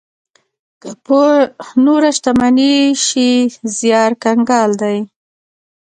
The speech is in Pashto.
که په نوره شتمنۍ شي، زيار کنګال دی.